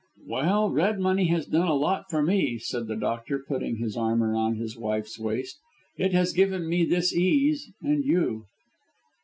"Well, red money has done a lot for me," said the doctor, putting his arm round his wife's waist; "it has given me this ease and you."